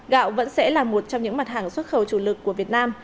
gạo vẫn sẽ là một trong những mặt hàng xuất khẩu chủ lực của việt nam